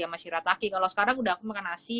sama sirataki kalau sekarang udah aku makan nasi